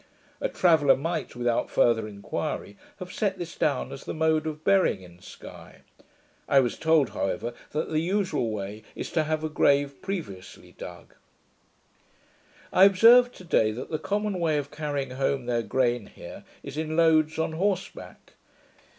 A traveller might, without further inquiry, have set this down as the mode of burying in Sky. I was told, however, that the usual way is to have a grave previously dug. I observed to day, that the common way of carrying home their grain here is in loads on horse back.